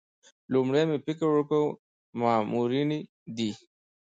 لومړی مې فکر وکړ مامورینې دي.